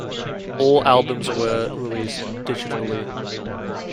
All albums were released digitally.